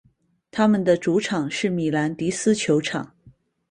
他们的主场是米兰迪斯球场。